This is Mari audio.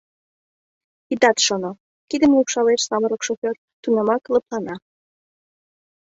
Итат шоно! — кидым лупшалеш самырык шофёр, тунамак лыплана.